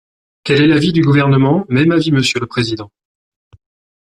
Quel est l’avis du Gouvernement ? Même avis, monsieur le président.